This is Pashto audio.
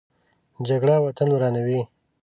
جګړه وطن ورانوي